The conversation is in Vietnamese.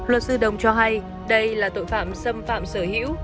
luật sư đồng cho hay đây là tội phạm xâm phạm sở hữu